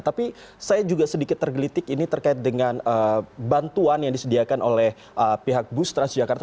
tapi saya juga sedikit tergelitik ini terkait dengan bantuan yang disediakan oleh pihak bus transjakarta